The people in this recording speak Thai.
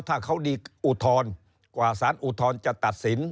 ถ้าเขาดีอุทธรณ์กว่าสารอุทธรณ์จะตัดสิน